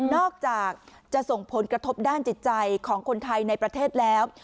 อกจากจะส่งผลกระทบด้านจิตใจของคนไทยในประเทศแล้ว